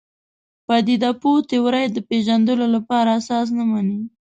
پدیده پوه تیورۍ د پېژندلو لپاره اساس نه مني.